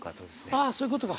あぁそういうことか。